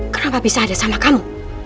kenapa bisa ada sama kamu